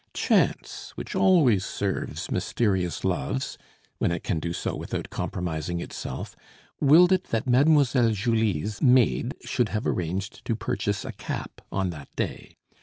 Chance, which always serves mysterious loves, when it can do so without compromising itself, willed it that Mademoiselle Julie's maid should have arranged to purchase a cap on that day.